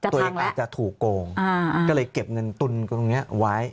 ตัวเองอาจจะถูกโกงก็เลยเก็บเงินตุนตรงนี้ไว้